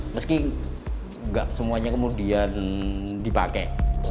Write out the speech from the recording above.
meski tidak semuanya kemudian dipakai